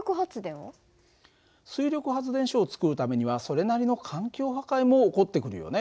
水力発電所を造るためにはそれなりの環境破壊も起こってくるよね。